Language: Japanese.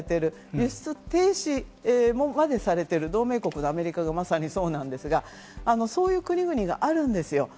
輸出停止までされている同盟国、アメリカがまさにそうですけど、そういう国々があるんです。